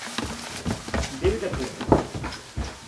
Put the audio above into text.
Débeda pública